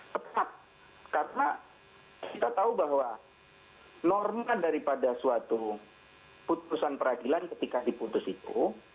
tepat karena kita tahu bahwa norma daripada suatu putusan peradilan ketika diputus itu